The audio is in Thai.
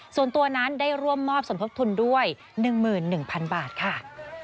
ส่วนตัวนั้นได้ร่วมมอบสมทบทุนด้วย๑๑๐๐๐บาทค่ะ